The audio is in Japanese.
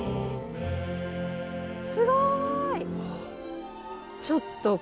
すごーい！